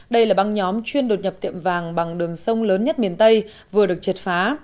đây là băng nhóm chuyên đột nhập tiệm vàng bằng đường sông lớn nhất miền tây vừa được triệt phá